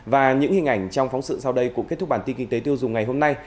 và những hình ảnh trong phóng sự sau đây cũng kết thúc bản tin kinh tế tiêu dùng ngày hôm nay